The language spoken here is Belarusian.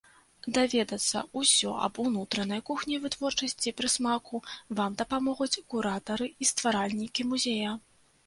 Даведацца ўсё аб унутранай кухні вытворчасці прысмаку вам дапамогуць куратары і стваральнікі музея.